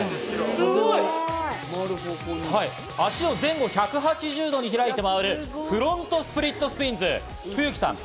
足を前後１８０度に開いて回るフロントスプリットスピンズ。